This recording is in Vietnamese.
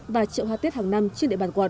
và triệu hoa tết hàng năm trên địa bàn quận